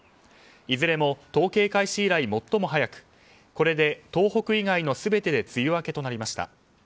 いずれも統計開始以来最も早くこれで東北以外の全てで梅雨明けとなりました。